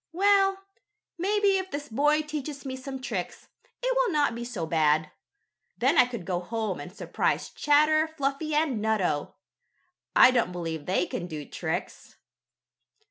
"Well, maybe if this boy teaches me some tricks, it will not be so bad. Then I could go home and surprise Chatter, Fluffy and Nutto. I don't believe they can do tricks."